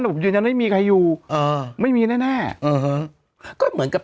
หรือยังยังไม่มีใครอยู่อ่าไม่มีแน่อ่าฮะก็เหมือนกับ